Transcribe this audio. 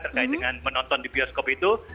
terkait dengan menonton di bioskop itu